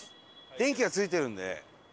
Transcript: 電気はついてるんで。